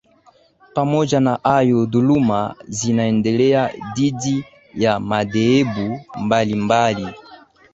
Pamoja na hayo duluma zinaendelea dhidi ya madhehebu mbalimbali